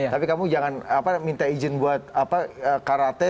tapi kamu jangan minta izin buat karate